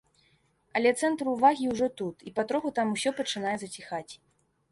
Але цэнтр увагі ўжо тут, і патроху там усё пачынае заціхаць.